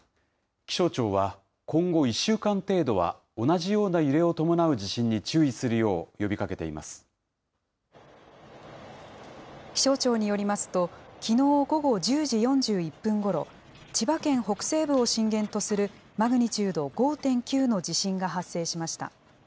気象庁は、今後１週間程度は同じような揺れを伴う地震に注意気象庁によりますと、きのう午後１０時４１分ごろ、千葉県北西部を震源とするマグニチュード５．９の地震が発生しました。